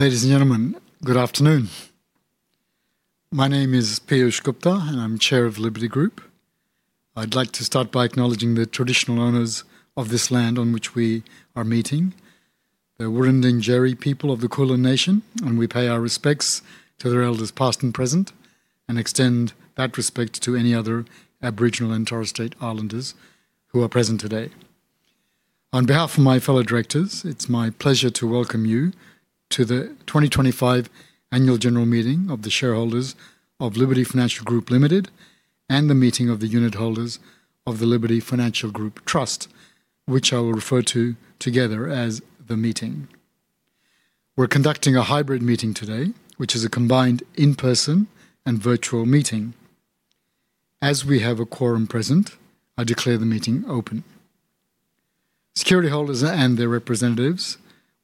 Ladies and gentlemen, good afternoon. My name is Peeyush Gupta, and I'm Chair of Liberty Group. I'd like to start by acknowledging the traditional owners of this land on which we are meeting, the Wurundjeri people of the Kulin Nation, and we pay our respects to their elders past and present, and extend that respect to any other Aboriginal and Torres Strait Islanders who are present today. On behalf of my fellow directors, it's my pleasure to welcome you to the 2025 Annual General Meeting of the shareholders of Liberty Financial Group Limited and the meeting of the unit holders of the Liberty Financial Group Trust, which I will refer to together as the meeting. We're conducting a hybrid meeting today, which is a combined in-person and virtual meeting. As we have a quorum present, I declare the meeting open. Security holders and their representatives,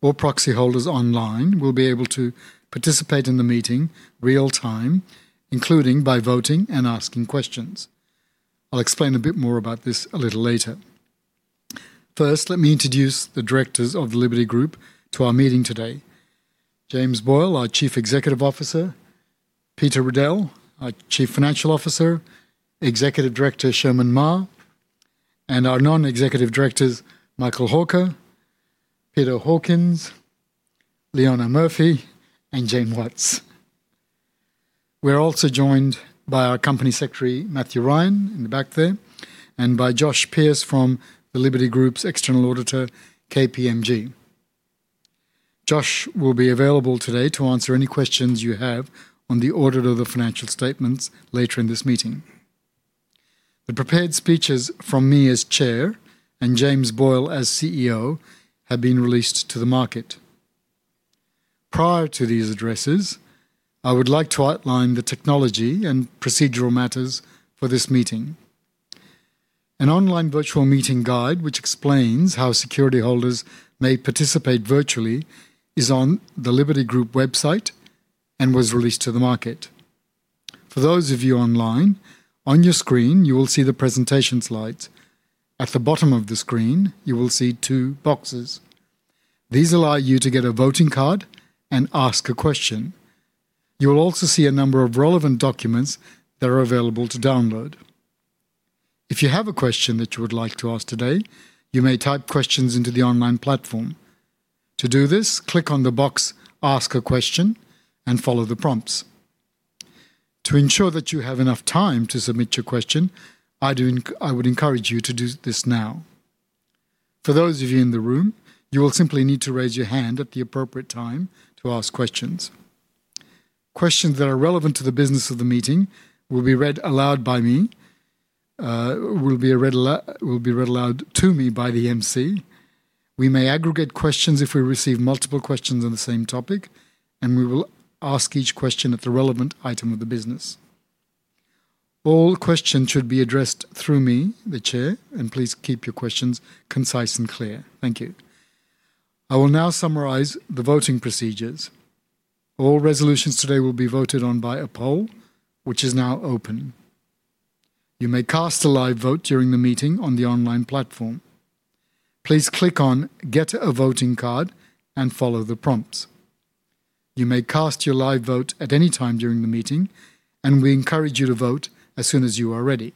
or proxy holders online, will be able to participate in the meeting real time, including by voting and asking questions. I'll explain a bit more about this a little later. First, let me introduce the directors of the Liberty Group to our meeting today: James Boyle, our Chief Executive Officer; Peter Riedel, our Chief Financial Officer; Executive Director Sherman Ma; and our Non-Executive Directors, Michael Hawker, Peter Hawkins, Leona Murphy, and Jane Watts. We're also joined by our Company Secretary, Matthew Ryan, in the back there, and by Josh Pearce from the Liberty Group's external auditor, KPMG. Josh will be available today to answer any questions you have on the audit of the financial statements later in this meeting. The prepared speeches from me as Chair and James Boyle as CEO have been released to the market. Prior to these addresses, I would like to outline the technology and procedural matters for this meeting. An online virtual meeting guide which explains how security holders may participate virtually is on the Liberty Group website and was released to the market. For those of you online, on your screen, you will see the presentation slides. At the bottom of the screen, you will see two boxes. These allow you to get a voting card and ask a question. You will also see a number of relevant documents that are available to download. If you have a question that you would like to ask today, you may type questions into the online platform. To do this, click on the box "Ask a Question" and follow the prompts. To ensure that you have enough time to submit your question, I would encourage you to do this now. For those of you in the room, you will simply need to raise your hand at the appropriate time to ask questions. Questions that are relevant to the business of the meeting will be read aloud by me, will be read aloud to me by the MC. We may aggregate questions if we receive multiple questions on the same topic, and we will ask each question at the relevant item of the business. All questions should be addressed through me, the Chair, and please keep your questions concise and clear. Thank you. I will now summarize the voting procedures. All resolutions today will be voted on by a poll, which is now open. You may cast a live vote during the meeting on the online platform. Please click on "Get a Voting Card" and follow the prompts. You may cast your live vote at any time during the meeting, and we encourage you to vote as soon as you are ready.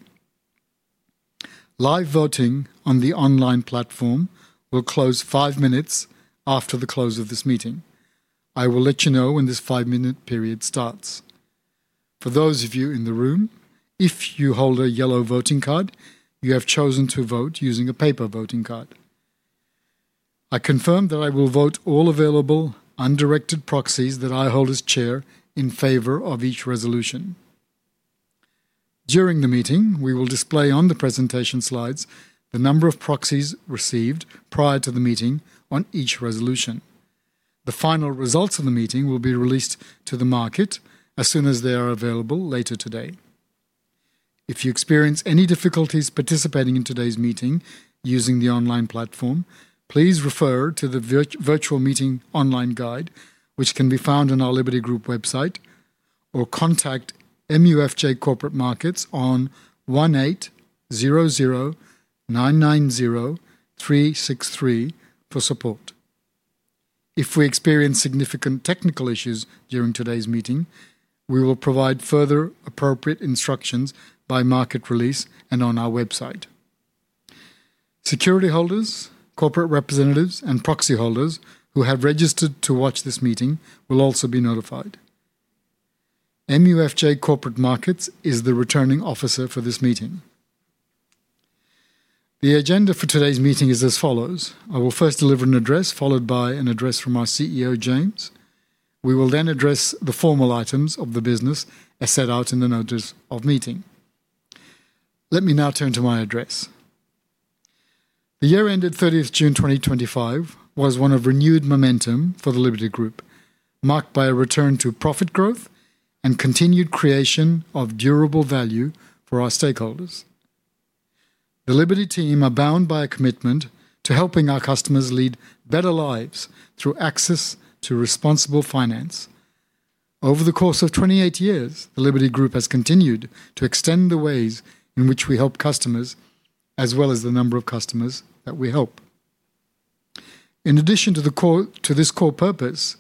Live voting on the online platform will close five minutes after the close of this meeting. I will let you know when this five-minute period starts. For those of you in the room, if you hold a yellow voting card, you have chosen to vote using a paper voting card. I confirm that I will vote all available undirected proxies that I hold as Chair in favor of each resolution. During the meeting, we will display on the presentation slides the number of proxies received prior to the meeting on each resolution. The final results of the meeting will be released to the market as soon as they are available later today. If you experience any difficulties participating in today's meeting using the online platform, please refer to the virtual meeting online guide, which can be found on our Liberty Group website, or contact MUFJ Corporate Markets on 1800990363 for support. If we experience significant technical issues during today's meeting, we will provide further appropriate instructions by market release and on our website. Security holders, corporate representatives, and proxy holders who have registered to watch this meeting will also be notified. MUFJ Corporate Markets is the returning officer for this meeting. The agenda for today's meeting is as follows. I will first deliver an address followed by an address from our CEO, James. We will then address the formal items of the business as set out in the notice of meeting. Let me now turn to my address. The year ended 30th June 2025 was one of renewed momentum for the Liberty Group, marked by a return to profit growth and continued creation of durable value for our stakeholders. The Liberty team are bound by a commitment to helping our customers lead better lives through access to responsible finance. Over the course of 28 years, the Liberty Group has continued to extend the ways in which we help customers, as well as the number of customers that we help. In addition to this core purpose,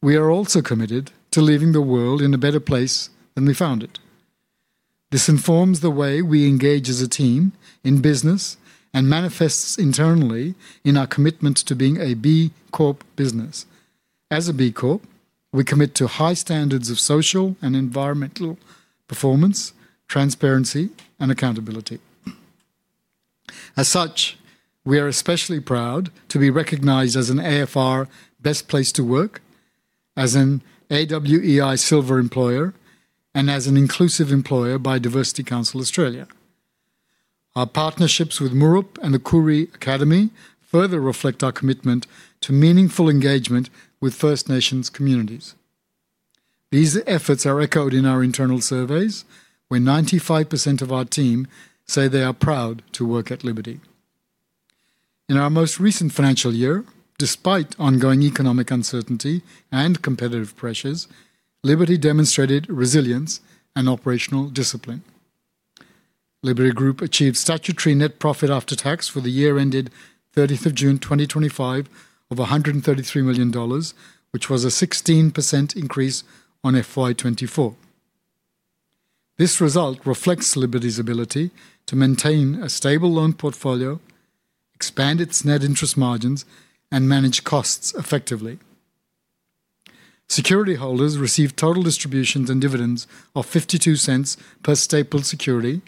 we are also committed to leaving the world in a better place than we found it. This informs the way we engage as a team in business and manifests internally in our commitment to being a B Corp business. As a B Corp, we commit to high standards of social and environmental performance, transparency, and accountability. As such, we are especially proud to be recognized as an AFR Best Place to Work, as an AWEI Silver Employer, and as an Inclusive Employer by Diversity Council Australia. Our partnerships with Murup and the Khoury Academy further reflect our commitment to meaningful engagement with First Nations communities. These efforts are echoed in our internal surveys, where 95% of our team say they are proud to work at Liberty. In our most recent financial year, despite ongoing economic uncertainty and competitive pressures, Liberty demonstrated resilience and operational discipline. Liberty Group achieved statutory net profit after tax for the year ended 30th June 2025 of 133 million dollars, which was a 16% increase on FY 2024. This result reflects Liberty's ability to maintain a stable loan portfolio, expand its net interest margins, and manage costs effectively. Security holders received total distributions and dividends of 0.52 per staple security,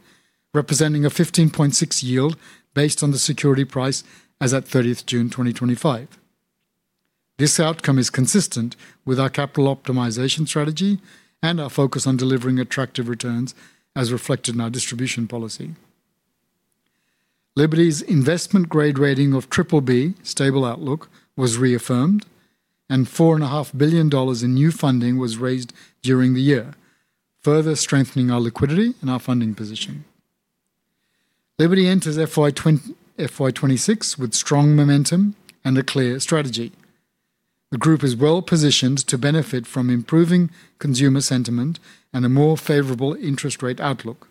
representing a 15.6% yield based on the security price as at 30th June 2025. This outcome is consistent with our capital optimization strategy and our focus on delivering attractive returns, as reflected in our distribution policy. Liberty's investment-grade rating of triple B, Stable Outlook, was reaffirmed, and 4.5 billion dollars in new funding was raised during the year, further strengthening our liquidity and our funding position. Liberty enters FY 2026 with strong momentum and a clear strategy. The group is well positioned to benefit from improving consumer sentiment and a more favorable interest rate outlook.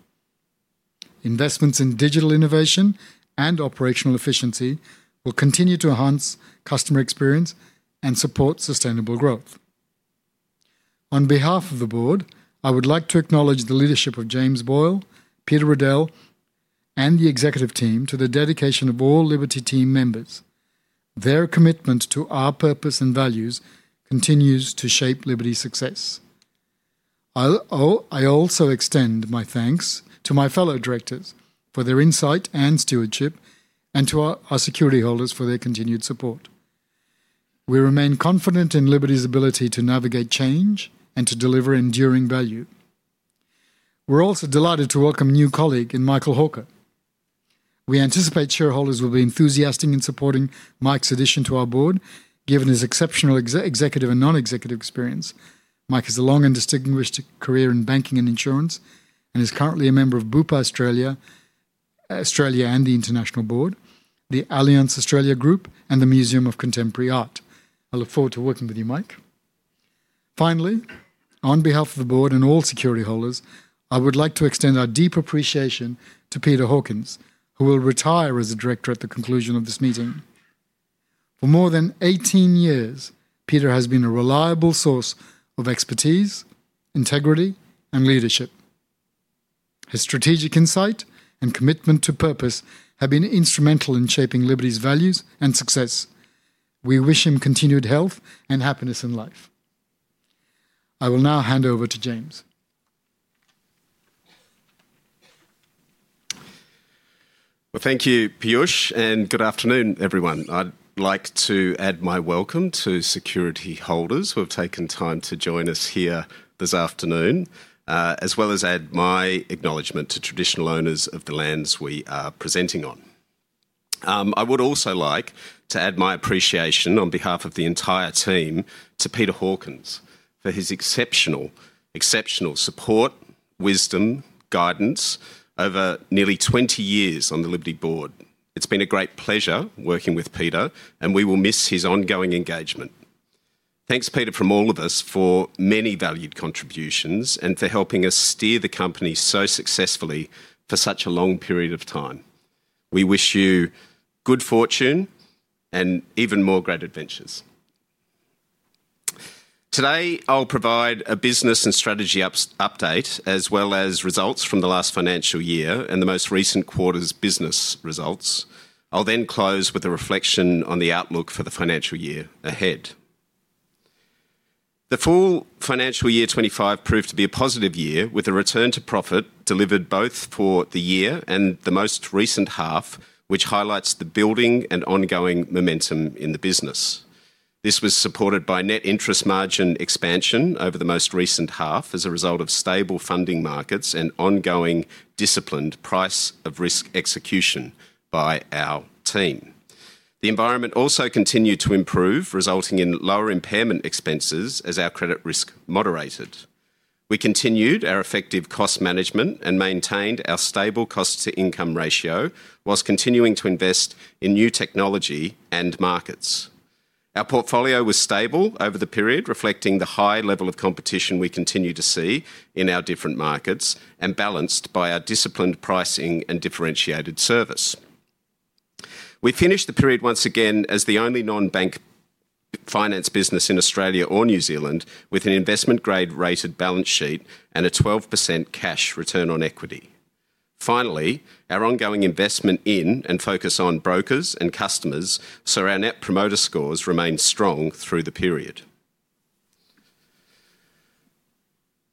Investments in digital innovation and operational efficiency will continue to enhance customer experience and support sustainable growth. On behalf of the board, I would like to acknowledge the leadership of James Boyle, Peter Riedel, and the executive team, and the dedication of all Liberty team members. Their commitment to our purpose and values continues to shape Liberty's success. I also extend my thanks to my fellow directors for their insight and stewardship and to our security holders for their continued support. We remain confident in Liberty's ability to navigate change and to deliver enduring value. We're also delighted to welcome a new colleague, Michael Hawker. We anticipate shareholders will be enthusiastic in supporting Mike's addition to our board, given his exceptional executive and non-executive experience. Mike has a long and distinguished career in banking and insurance and is currently a member of Bupa Australia and the International Board, the Allianz Australia Group, and the Museum of Contemporary Art. I look forward to working with you, Mike. Finally, on behalf of the board and all security holders, I would like to extend our deep appreciation to Peter Hawkins, who will retire as a director at the conclusion of this meeting. For more than 18 years, Peter has been a reliable source of expertise, integrity, and leadership. His strategic insight and commitment to purpose have been instrumental in shaping Liberty's values and success. We wish him continued health and happiness in life. I will now hand over to James. Thank you, Peeyush, and good afternoon, everyone. I'd like to add my welcome to security holders who have taken time to join us here this afternoon, as well as add my acknowledgement to traditional owners of the lands we are presenting on. I would also like to add my appreciation on behalf of the entire team to Peter Hawkins for his exceptional support, wisdom, guidance over nearly 20 years on the Liberty Board. It's been a great pleasure working with Peter, and we will miss his ongoing engagement. Thanks, Peter, from all of us for many valued contributions and for helping us steer the company so successfully for such a long period of time. We wish you good fortune and even more great adventures. Today, I'll provide a business and strategy update, as well as results from the last financial year and the most recent quarter's business results. I'll then close with a reflection on the outlook for the financial year ahead. The full financial year 2025 proved to be a positive year, with a return to profit delivered both for the year and the most recent half, which highlights the building and ongoing momentum in the business. This was supported by net interest margin expansion over the most recent half as a result of stable funding markets and ongoing disciplined price of risk execution by our team. The environment also continued to improve, resulting in lower impairment expenses as our credit risk moderated. We continued our effective cost management and maintained our stable cost-to-income ratio whilst continuing to invest in new technology and markets. Our portfolio was stable over the period, reflecting the high level of competition we continue to see in our different markets and balanced by our disciplined pricing and differentiated service. We finished the period once again as the only non-bank finance business in Australia or New Zealand with an investment-grade rated balance sheet and a 12% cash return on equity. Finally, our ongoing investment in and focus on brokers and customers saw our net promoter scores remain strong through the period.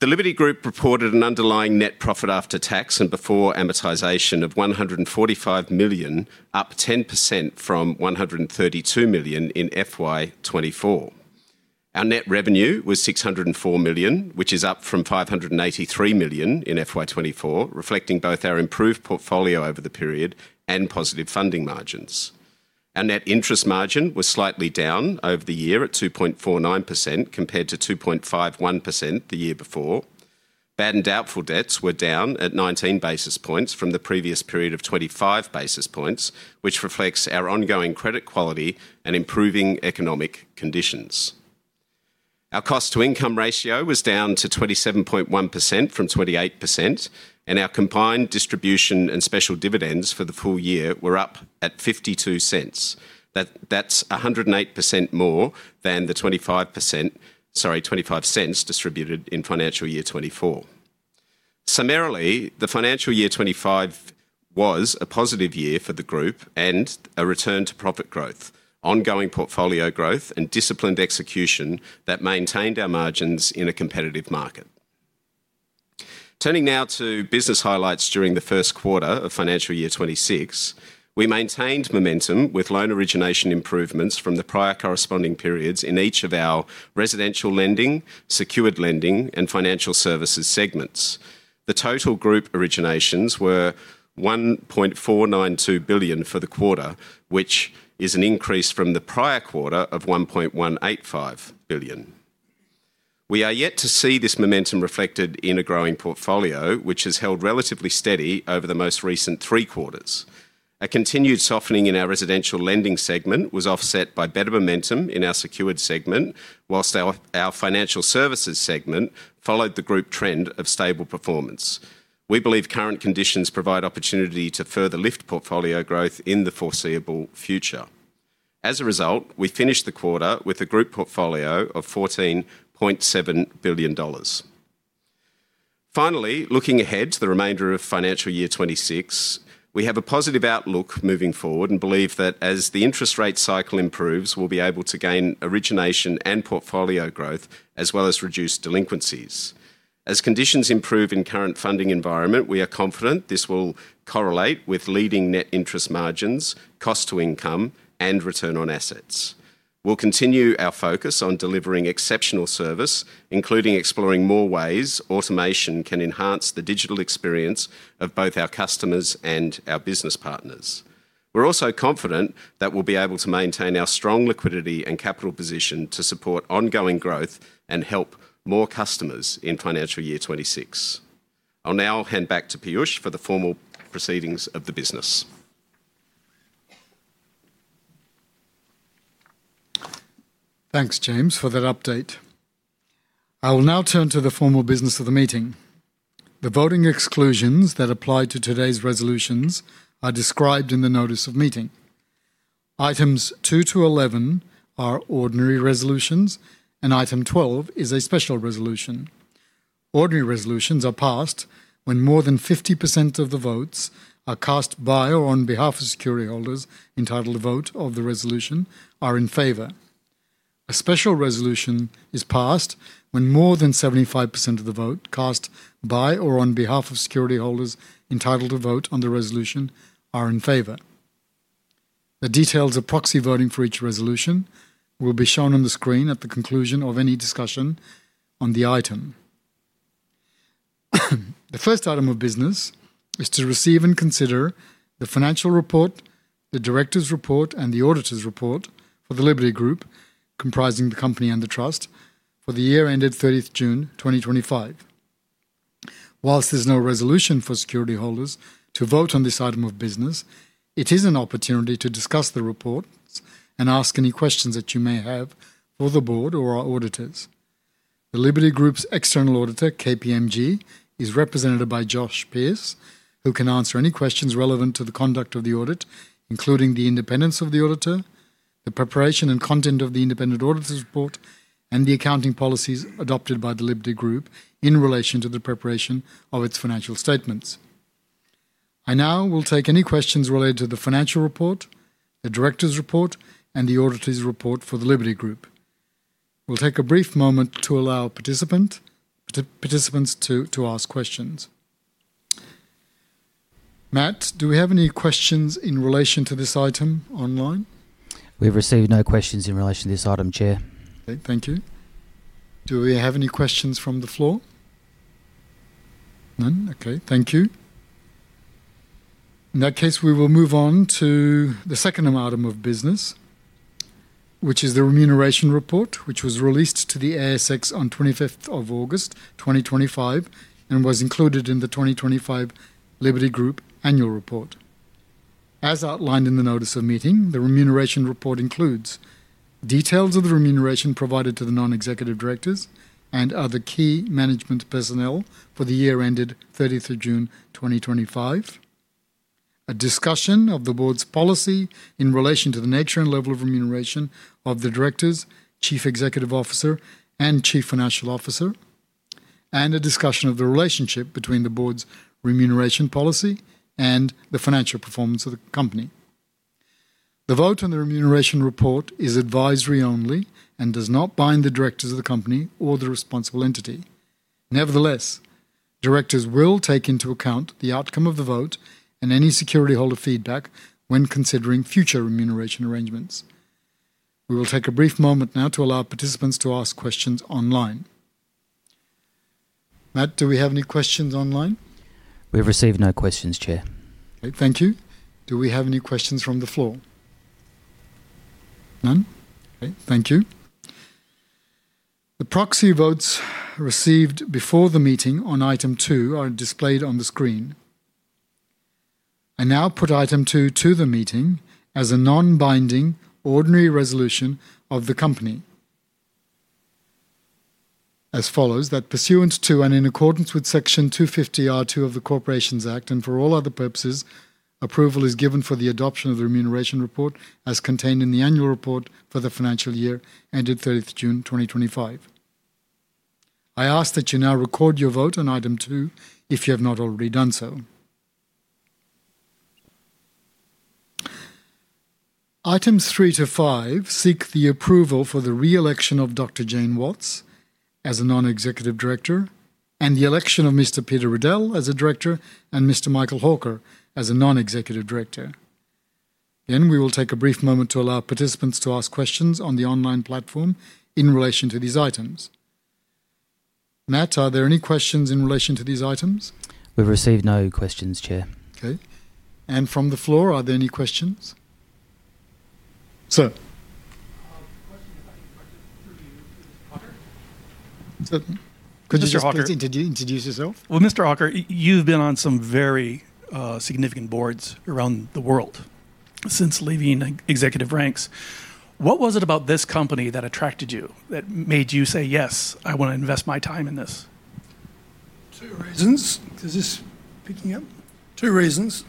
The Liberty Group reported an underlying net profit after tax and before amortization of 145 million, up 10% from 132 million in FY 2024. Our net revenue was 604 million, which is up from 583 million in FY 2024, reflecting both our improved portfolio over the period and positive funding margins. Our net interest margin was slightly down over the year at 2.49% compared to 2.51% the year before. Bad and doubtful debts were down at 19 basis points from the previous period of 25 basis points, which reflects our ongoing credit quality and improving economic conditions. Our cost-to-income ratio was down to 27.1% from 28%, and our combined distribution and special dividends for the full year were up at 0.52. That's 108% more than the 0.25, sorry, 25 cents distributed in financial year 2024. Summarily, the financial year 2025 was a positive year for the group and a return to profit growth, ongoing portfolio growth, and disciplined execution that maintained our margins in a competitive market. Turning now to business highlights during the first quarter of financial year 2026, we maintained momentum with loan origination improvements from the prior corresponding periods in each of our residential lending, secured lending, and financial services segments. The total group originations were 1.492 billion for the quarter, which is an increase from the prior quarter of 1.185 billion. We are yet to see this momentum reflected in a growing portfolio, which has held relatively steady over the most recent three quarters. A continued softening in our residential lending segment was offset by better momentum in our secured segment, whilst our financial services segment followed the group trend of stable performance. We believe current conditions provide opportunity to further lift portfolio growth in the foreseeable future. As a result, we finished the quarter with a group portfolio of 14.7 billion dollars. Finally, looking ahead to the remainder of financial year 2026, we have a positive outlook moving forward and believe that as the interest rate cycle improves, we'll be able to gain origination and portfolio growth, as well as reduce delinquencies. As conditions improve in current funding environment, we are confident this will correlate with leading net interest margins, cost-to-income, and return on assets. We'll continue our focus on delivering exceptional service, including exploring more ways automation can enhance the digital experience of both our customers and our business partners. We're also confident that we'll be able to maintain our strong liquidity and capital position to support ongoing growth and help more customers in financial year 2026. I'll now hand back to Peeyush for the formal proceedings of the business. Thanks, James, for that update. I will now turn to the formal business of the meeting. The voting exclusions that apply to today's resolutions are described in the notice of meeting. Items 2-11 are ordinary resolutions, and item 12 is a special resolution. Ordinary resolutions are passed when more than 50% of the votes cast by or on behalf of security holders entitled to vote on the resolution are in favor. A special resolution is passed when more than 75% of the votes cast by or on behalf of security holders entitled to vote on the resolution are in favor. The details of proxy voting for each resolution will be shown on the screen at the conclusion of any discussion on the item. The first item of business is to receive and consider the financial report, the director's report, and the auditor's report for the Liberty Group, comprising the company and the trust, for the year ended 30th June 2025. Whilst there's no resolution for security holders to vote on this item of business, it is an opportunity to discuss the reports and ask any questions that you may have for the board or our auditors. The Liberty Group's external auditor, KPMG, is represented by Josh Pearce, who can answer any questions relevant to the conduct of the audit, including the independence of the auditor, the preparation and content of the independent auditor's report, and the accounting policies adopted by the Liberty Group in relation to the preparation of its financial statements. I now will take any questions related to the financial report, the director's report, and the auditor's report for the Liberty Group. We'll take a brief moment to allow participants to ask questions. Matt, do we have any questions in relation to this item online? We've received no questions in relation to this item, Chair. Okay, thank you. Do we have any questions from the floor? None? Okay, thank you. In that case, we will move on to the second item of business, which is the remuneration report, which was released to the ASX on 25th August 2025 and was included in the 2025 Liberty Financial Group annual report. As outlined in the notice of meeting, the remuneration report includes details of the remuneration provided to the non-executive directors and other key management personnel for the year ended 30th June 2025, a discussion of the board's policy in relation to the nature and level of remuneration of the directors, Chief Executive Officer, and Chief Financial Officer, and a discussion of the relationship between the board's remuneration policy and the financial performance of the company. The vote on the remuneration report is advisory only and does not bind the directors of the company or the responsible entity. Nevertheless, directors will take into account the outcome of the vote and any security holder feedback when considering future remuneration arrangements. We will take a brief moment now to allow participants to ask questions online. Matt, do we have any questions online? We've received no questions, Chair. Okay, thank you. Do we have any questions from the floor? None? Okay, thank you. The proxy votes received before the meeting on item two are displayed on the screen. I now put item two to the meeting as a non-binding ordinary resolution of the company as follows: that pursuant to and in accordance with Section 250R(2) of the Corporations Act and for all other purposes, approval is given for the adoption of the remuneration report as contained in the annual report for the financial year ended 30th June 2025. I ask that you now record your vote on item two if you have not already done so. Items three to five seek the approval for the re-election of Dr. Jane Watts as a Non-Executive Director and the election of Mr. Peter Riedel as a Director and Mr. Michael Hawker as a Non-Executive Director. We will take a brief moment to allow participants to ask questions on the online platform in relation to these items. Matt, are there any questions in relation to these items? We've received no questions, Chair. Okay. From the floor, are there any questions? Sir. could you introduce yourself? Mr. Hawker, you've been on some very significant boards around the world since leaving executive ranks. What was it about this company that attracted you, that made you say, "Yes, I want to invest my time in this"? Two reasons. Is this picking up? Two reasons.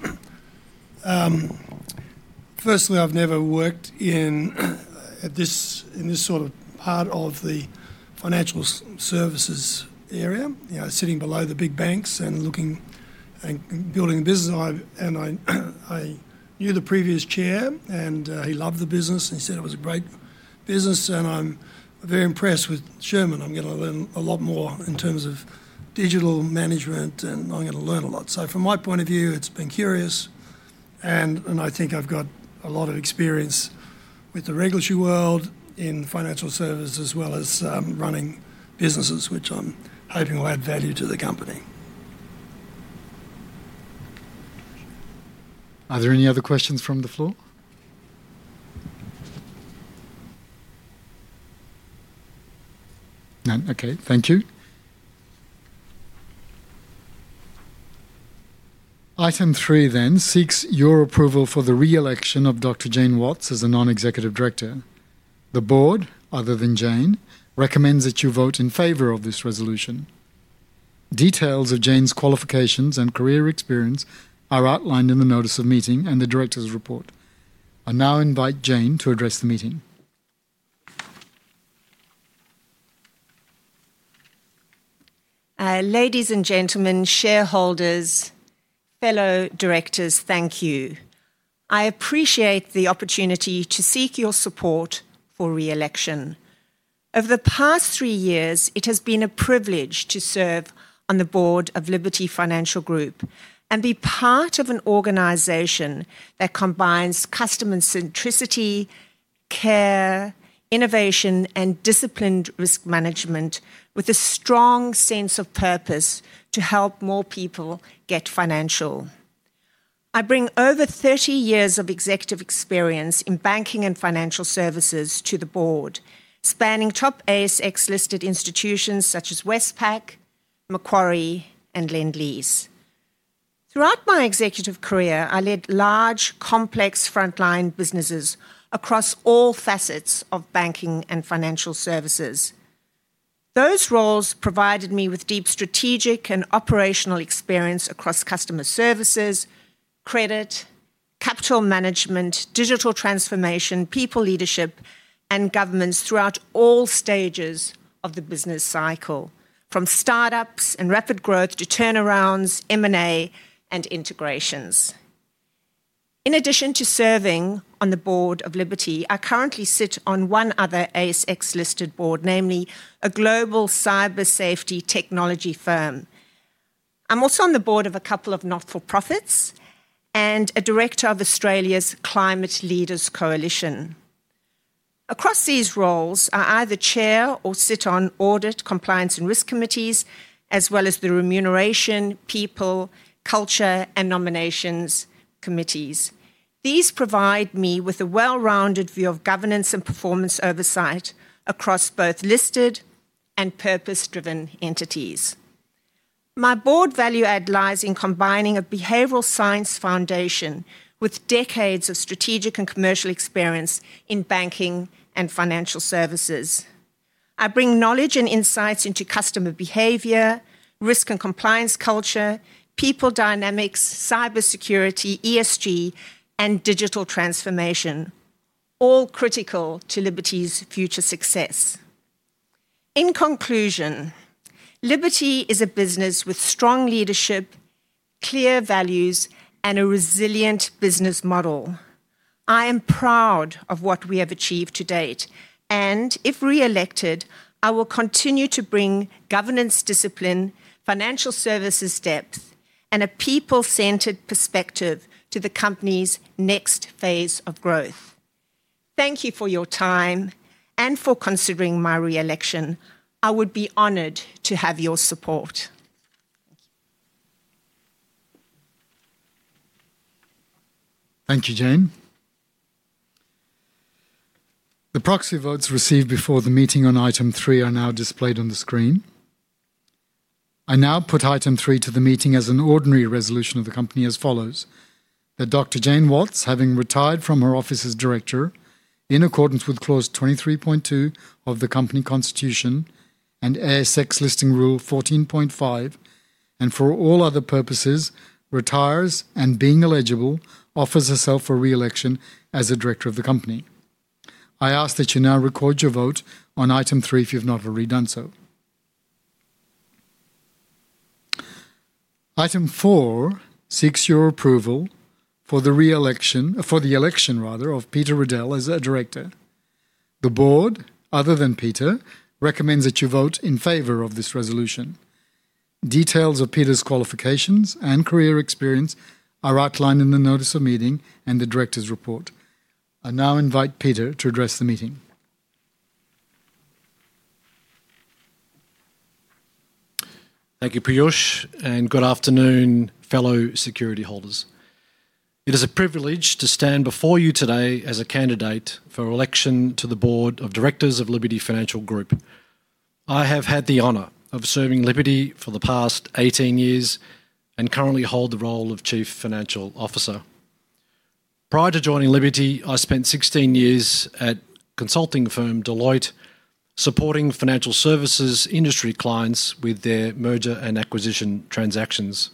Firstly, I've never worked in this sort of part of the financial services area, sitting below the big banks and building a business. I knew the previous chair, and he loved the business, and he said it was a great business. I'm very impressed with Sherman. I'm going to learn a lot more in terms of digital management, and I'm going to learn a lot. From my point of view, it's been curious, and I think I've got a lot of experience with the regulatory world in financial services as well as running businesses, which I'm hoping will add value to the company. Are there any other questions from the floor? None? Okay, thank you. Item three then seeks your approval for the re-election of Dr. Jane Watts as a non-executive director. The board, other than Jane, recommends that you vote in favor of this resolution. Details of Jane's qualifications and career experience are outlined in the notice of meeting and the director's report. I now invite Jane to address the meeting. Ladies and gentlemen, shareholders, fellow directors, thank you. I appreciate the opportunity to seek your support for re-election. Over the past three years, it has been a privilege to serve on the board of Liberty Financial Group and be part of an organization that combines customer centricity, care, innovation, and disciplined risk management with a strong sense of purpose to help more people get financial. I bring over 30 years of executive experience in banking and financial services to the board, spanning top ASX-listed institutions such as Westpac, Macquarie, and Lendlease. Throughout my executive career, I led large, complex frontline businesses across all facets of banking and financial services. Those roles provided me with deep strategic and operational experience across customer services, credit, capital management, digital transformation, people leadership, and governance throughout all stages of the business cycle, from startups and rapid growth to turnarounds, M&A, and integrations. In addition to serving on the board of Liberty, I currently sit on one other ASX-listed board, namely a global cybersafety technology firm. I'm also on the board of a couple of not-for-profits and a director of Australia's Climate Leaders Coalition. Across these roles, I either chair or sit on audit, compliance, and risk committees, as well as the remuneration, people, culture, and nominations committees. These provide me with a well-rounded view of governance and performance oversight across both listed and purpose-driven entities. My board value add lies in combining a behavioral science foundation with decades of strategic and commercial experience in banking and financial services. I bring knowledge and insights into customer behavior, risk and compliance culture, people dynamics, cybersecurity, ESG, and digital transformation, all critical to Liberty's future success. In conclusion, Liberty is a business with strong leadership, clear values, and a resilient business model. I am proud of what we have achieved to date, and if re-elected, I will continue to bring governance discipline, financial services depth, and a people-centered perspective to the company's next phase of growth. Thank you for your time and for considering my re-election. I would be honored to have your support. Thank you, Jane. The proxy votes received before the meeting on item three are now displayed on the screen. I now put item three to the meeting as an ordinary resolution of the company as follows: that Dr. Jane Watts, having retired from her office as director in accordance with clause 23.2 of the company constitution and ASX listing rule 14.5, and for all other purposes, retires and, being eligible, offers herself for re-election as a director of the company. I ask that you now record your vote on item three if you've not already done so. Item four seeks your approval for the re-election, for the election, rather, of Peter Riedel as a director. The board, other than Peter, recommends that you vote in favor of this resolution. Details of Peter's qualifications and career experience are outlined in the notice of meeting and the director's report. I now invite Peter to address the meeting. Thank you, Peeyush, and good afternoon, fellow security holders. It is a privilege to stand before you today as a candidate for election to the board of directors of Liberty Financial Group. I have had the honor of serving Liberty for the past 18 years and currently hold the role of Chief Financial Officer. Prior to joining Liberty, I spent 16 years at consulting firm Deloitte, supporting financial services industry clients with their merger and acquisition transactions.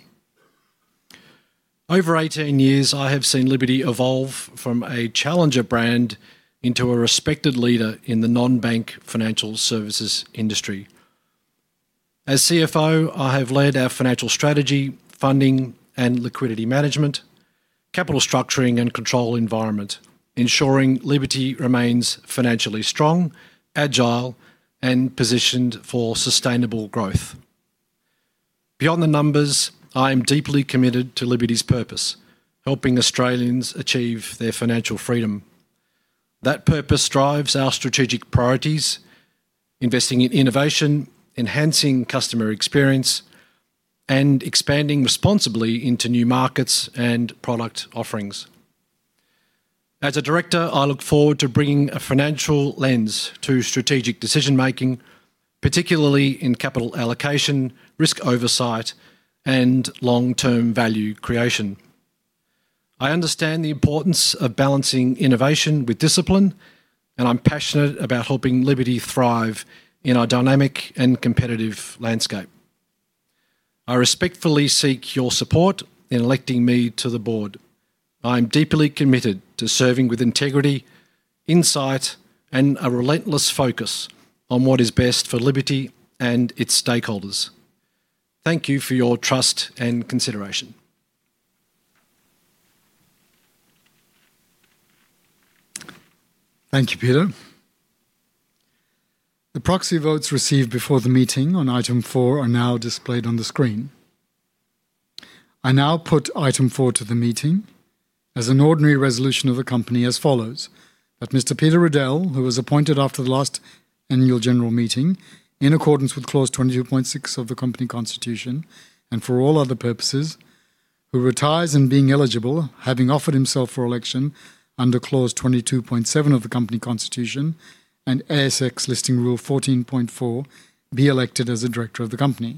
Over 18 years, I have seen Liberty evolve from a challenger brand into a respected leader in the non-bank financial services industry. As CFO, I have led our financial strategy, funding, and liquidity management, capital structuring, and control environment, ensuring Liberty remains financially strong, agile, and positioned for sustainable growth. Beyond the numbers, I am deeply committed to Liberty's purpose: helping Australians achieve their financial freedom. That purpose drives our strategic priorities: investing in innovation, enhancing customer experience, and expanding responsibly into new markets and product offerings. As a director, I look forward to bringing a financial lens to strategic decision-making, particularly in capital allocation, risk oversight, and long-term value creation. I understand the importance of balancing innovation with discipline, and I'm passionate about helping Liberty thrive in our dynamic and competitive landscape. I respectfully seek your support in electing me to the board. I am deeply committed to serving with integrity, insight, and a relentless focus on what is best for Liberty and its stakeholders. Thank you for your trust and consideration. Thank you, Peter. The proxy votes received before the meeting on item four are now displayed on the screen. I now put item four to the meeting as an ordinary resolution of the company as follows: that Mr. Peter Riedel, who was appointed after the last annual general meeting in accordance with clause 22.6 of the company constitution and for all other purposes, who retires and, being eligible, having offered himself for election under clause 22.7 of the company constitution and ASX listing rule 14.4, be elected as a director of the company.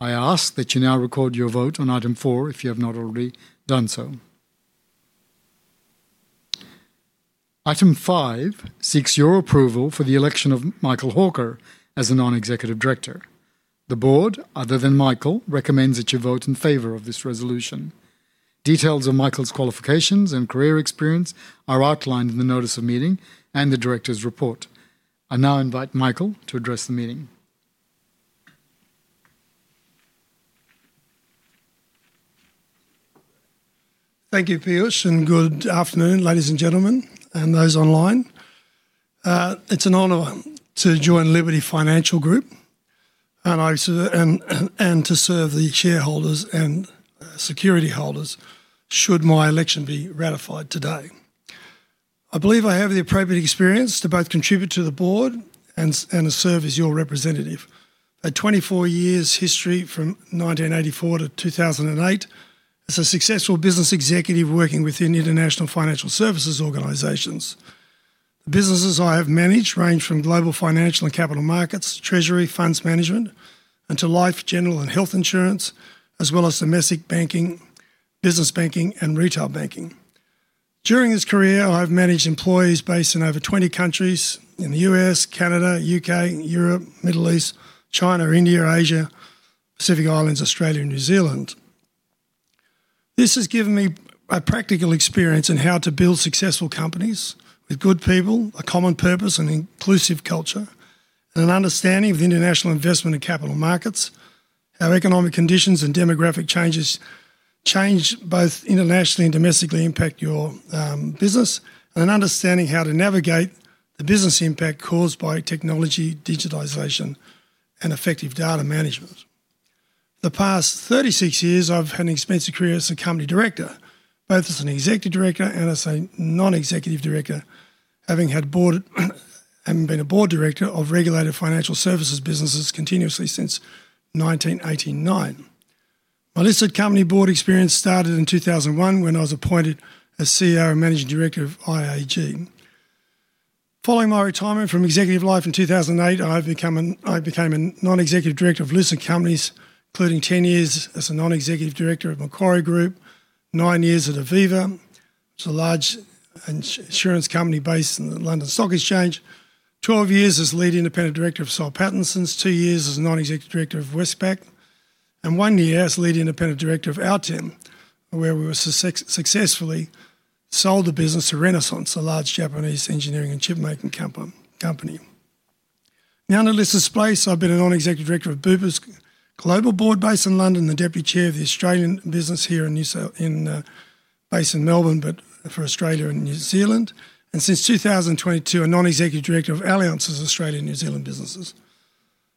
I ask that you now record your vote on item four if you have not already done so. Item five seeks your approval for the election of Michael Hawker as a non-executive director. The board, other than Michael, recommends that you vote in favor of this resolution. Details of Michael's qualifications and career experience are outlined in the notice of meeting and the director's report. I now invite Michael to address the meeting. Thank you, Peeyush, and good afternoon, ladies and gentlemen, and those online. It's an honor to join Liberty Financial Group and to serve the shareholders and security holders should my election be ratified today. I believe I have the appropriate experience to both contribute to the board and serve as your representative. A 24-year history from 1984 to 2008 as a successful business executive working within international financial services organizations. The businesses I have managed range from global financial and capital markets, treasury, funds management, and to life, general, and health insurance, as well as domestic banking, business banking, and retail banking. During this career, I have managed employees based in over 20 countries in the U.S., Canada, U.K., Europe, Middle East, China, India, Asia, Pacific Islands, Australia, and New Zealand. This has given me a practical experience in how to build successful companies with good people, a common purpose, an inclusive culture, and an understanding of international investment and capital markets, how economic conditions and demographic changes both internationally and domestically impact your business, and an understanding how to navigate the business impact caused by technology, digitization, and effective data management. The past 36 years, I've had an extensive career as a company director, both as an executive director and as a non-executive director, having been a board director of regulated financial services businesses continuously since 1989. My listed company board experience started in 2001 when I was appointed as CEO and managing director of IAG. Following my retirement from executive life in 2008, I became a non-executive director of listed companies, including 10 years as a non-executive director of Macquarie, 9 years at Aviva, which is a large insurance company based in the London Stock Exchange, 12 years as lead independent director of Washington H. Soul Pattinson, 2 years as non-executive director of Westpac, and 1 year as lead independent director of Altium, where we successfully sold the business to Renesas Electronics, a large Japanese engineering and chipmaking company. Now, in the listed space, I've been a non-executive director of Bupa's global board based in London and the deputy chair of the Australian business here in Melbourne, but for Australia and New Zealand, and since 2022, a non-executive director of Allianz Australia's and New Zealand's businesses.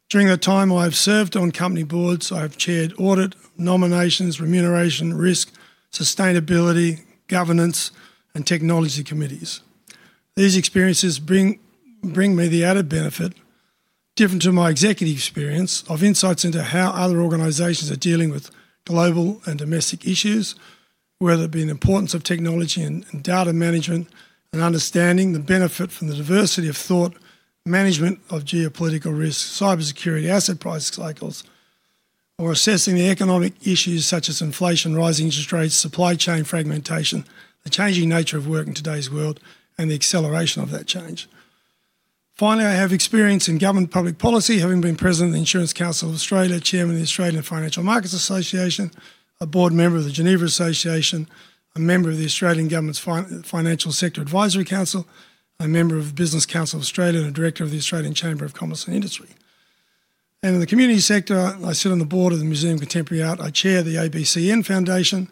During that time, I have served on company boards. I have chaired audit, nominations, remuneration, risk, sustainability, governance, and technology committees. These experiences bring me the added benefit, different to my executive experience, of insights into how other organizations are dealing with global and domestic issues, whether it be the importance of technology and data management and understanding the benefit from the diversity of thought, management of geopolitical risk, cybersecurity, asset price cycles, or assessing the economic issues such as inflation, rising interest rates, supply chain fragmentation, the changing nature of work in today's world, and the acceleration of that change. Finally, I have experience in government public policy, having been president of the Insurance Council of Australia, chairman of the Australian Financial Markets Association, a board member of the Geneva Association, a member of the Australian Government's Financial Sector Advisory Council, a member of Business Council of Australia, and a director of the Australian Chamber of Commerce and Industry. In the community sector, I sit on the board of the Museum of Contemporary Art. I chair the ABCN Foundation.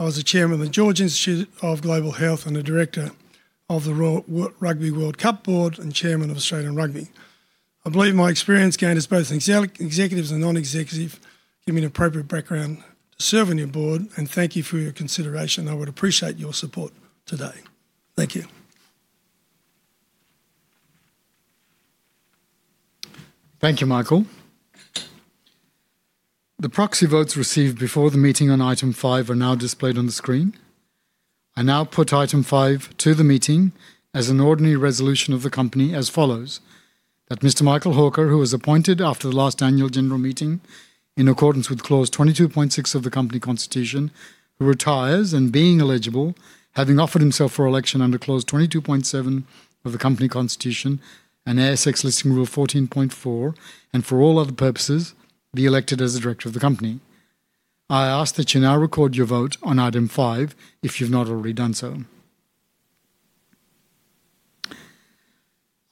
I was a chairman of the George Institute of Global Health and a director of the Rugby World Cup board and chairman of Australian Rugby. I believe my experience gained as both an executive and a non-executive gives me an appropriate background to serve on your board, and thank you for your consideration. I would appreciate your support today. Thank you. Thank you, Michael. The proxy votes received before the meeting on item five are now displayed on the screen. I now put item five to the meeting as an ordinary resolution of the company as follows: that Mr. Michael Hawker, who was appointed after the last annual general meeting in accordance with clause 22.6 of the company constitution, retires and, being eligible, having offered himself for election under clause 22.7 of the company constitution and ASX listing rule 14.4, and for all other purposes, be elected as a director of the company. I ask that you now record your vote on item five if you've not already done so.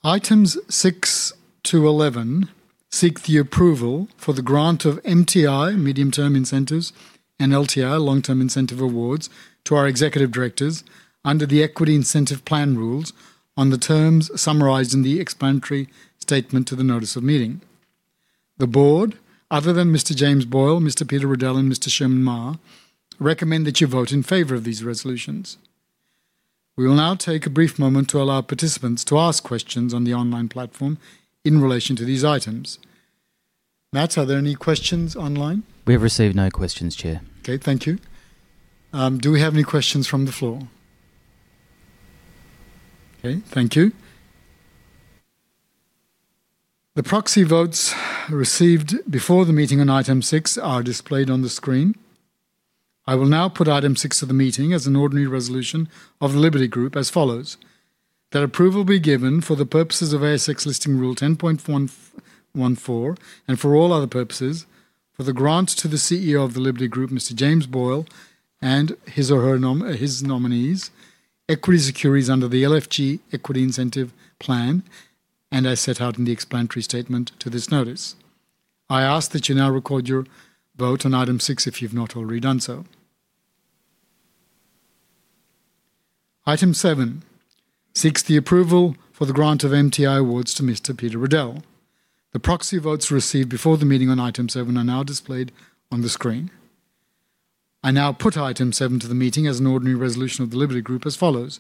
Items 6-11 seek the approval for the grant of MTI, medium-term incentives, and LTI, long-term incentive awards, to our executive directors under the equity incentive plan rules on the terms summarized in the explanatory statement to the notice of meeting. The board, other than Mr. James Boyle, Mr. Peter Riedel, and Mr. Sherman Ma, recommend that you vote in favor of these resolutions. We will now take a brief moment to allow participants to ask questions on the online platform in relation to these items. Matt, are there any questions online? We have received no questions, Chair. Okay, thank you. Do we have any questions from the floor? Okay, thank you. The proxy votes received before the meeting on item six are displayed on the screen. I will now put item six to the meeting as an ordinary resolution of the Liberty Group as follows: that approval be given for the purposes of ASX listing rule 10.14 and for all other purposes, for the grant to the CEO of the Liberty Group, Mr. James Boyle, and his nominees, equity securities under the LFG equity incentive plan, and as set out in the explanatory statement to this notice. I ask that you now record your vote on item six if you've not already done so. Item seven seeks the approval for the grant of MTI awards to Mr. Peter Riedel. The proxy votes received before the meeting on item seven are now displayed on the screen. I now put item seven to the meeting as an ordinary resolution of the Liberty Group as follows: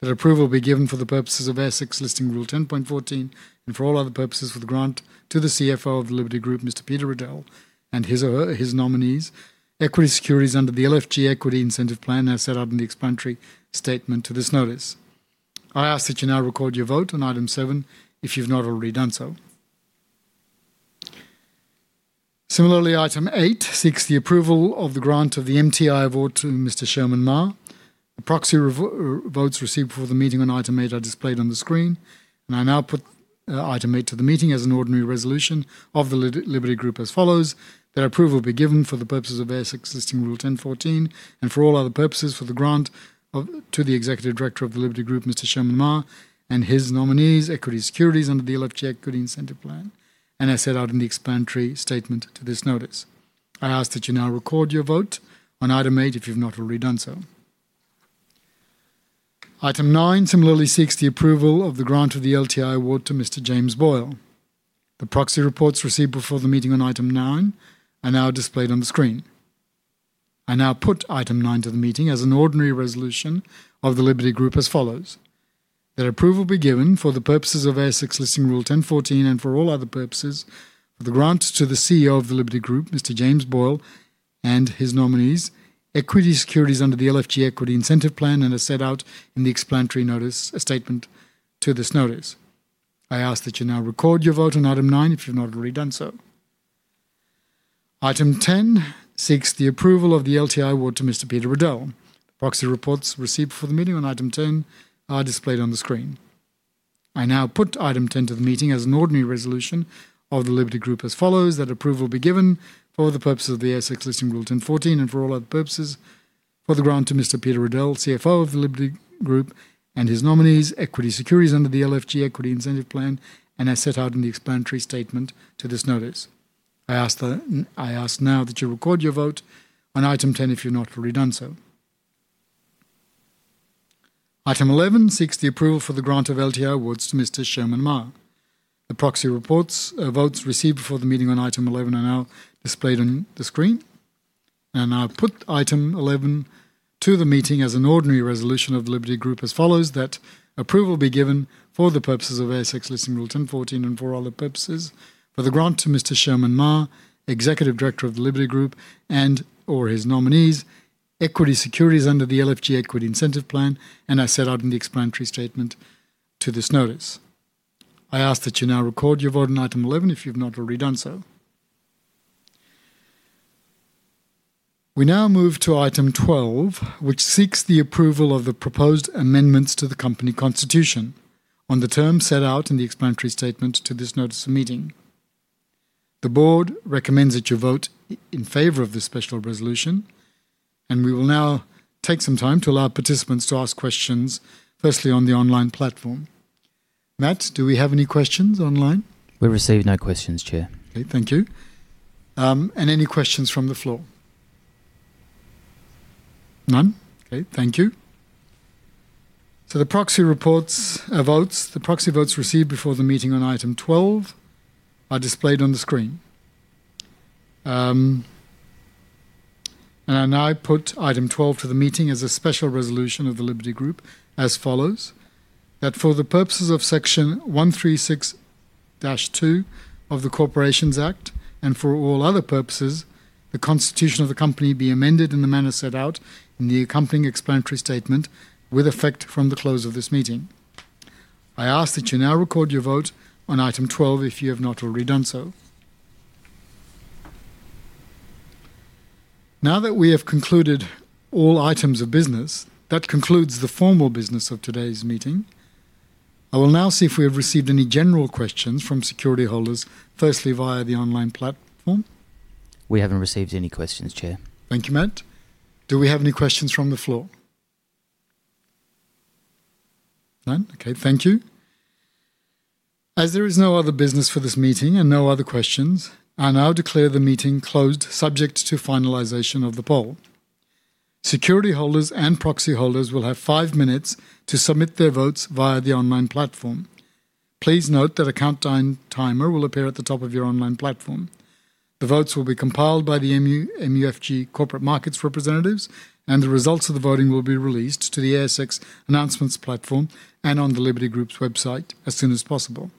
that approval be given for the purposes of ASX listing rule 10.14 and for all other purposes, for the grant to the CFO of the Liberty Group, Mr. Peter Riedel, and his nominees, equity securities under the LFG equity incentive plan, as set out in the explanatory statement to this notice. I ask that you now record your vote on item seven if you've not already done so. Similarly, item eight seeks the approval of the grant of the MTI award to Mr. Sherman Ma. The proxy votes received before the meeting on item eight are displayed on the screen. I now put item eight to the meeting as an ordinary resolution of the Liberty Group as follows: that approval be given for the purposes of ASX listing rule 10.14 and for all other purposes, for the grant to the executive director of the Liberty Group, Mr. Sherman Ma, and his nominees, equity securities under the LFG equity incentive plan, and as set out in the explanatory statement to this notice. I ask that you now record your vote on item eight if you've not already done so. Item nine similarly seeks the approval of the grant of the LTI award to Mr. James Boyle. The proxy reports received before the meeting on item nine are now displayed on the screen. I now put item nine to the meeting as an ordinary resolution of the Liberty Group as follows: that approval be given for the purposes of ASX listing rule 10.14 and for all other purposes, for the grant to the CEO of the Liberty Group, Mr. James Boyle, and his nominees, equity securities under the LFG equity incentive plan, and as set out in the explanatory statement to this notice. I ask that you now record your vote on item nine if you've not already done so. Item 10 seeks the approval of the LTI award to Mr. Peter Riedel. The proxy reports received before the meeting on item 10 are displayed on the screen. I now put item 10 to the meeting as an ordinary resolution of the Liberty Group as follows: that approval be given for the purposes of the ASX listing rule 10.14 and for all other purposes, for the grant to Mr. Peter Riedel, CFO of the Liberty Group, and his nominees, equity securities under the LFG equity incentive plan, and as set out in the explanatory statement to this notice. I ask now that you record your vote on item 10 if you've not already done so. Item 11 seeks the approval for the grant of LTI awards to Mr. Sherman Ma. The proxy votes received before the meeting on item 11 are now displayed on the screen. I put item 11 to the meeting as an ordinary resolution of the Liberty Group as follows: that approval be given for the purposes of ASX listing rule 10.14 and for all other purposes, for the grant to Mr. Sherman Ma, executive director of the Liberty Group and/or his nominees, equity securities under the LFG equity incentive plan, and as set out in the explanatory statement to this notice. I ask that you now record your vote on item 11 if you've not already done so. We now move to item 12, which seeks the approval of the proposed amendments to the company constitution on the terms set out in the explanatory statement to this notice of meeting. The board recommends that you vote in favor of this special resolution, and we will now take some time to allow participants to ask questions, firstly on the online platform. Matt, do we have any questions online? We receive no questions, Chair. Okay, thank you. Any questions from the floor? None? Okay, thank you. The proxy votes received before the meeting on item 12 are displayed on the screen. I now put item 12 to the meeting as a special resolution of the Liberty Group as follows: that for the purposes of section 136-2 of the Corporations Act and for all other purposes, the constitution of the company be amended in the manner set out in the accompanying explanatory statement with effect from the close of this meeting. I ask that you now record your vote on item 12 if you have not already done so. Now that we have concluded all items of business, that concludes the formal business of today's meeting. I will now see if we have received any general questions from security holders, firstly via the online platform. We haven't received any questions, Chair. Thank you, Matt. Do we have any questions from the floor? None? Okay, thank you. As there is no other business for this meeting and no other questions, I now declare the meeting closed, subject to finalization of the poll. Security holders and proxy holders will have five minutes to submit their votes via the online platform. Please note that a countdown timer will appear at the top of your online platform. The votes will be compiled by the MUFJ Corporate Markets representatives, and the results of the voting will be released to the ASX announcements platform and on the Liberty Group's website as soon as possible.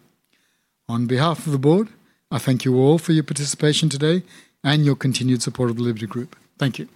On behalf of the board, I thank you all for your participation today and your continued support of the Liberty Group. Thank you.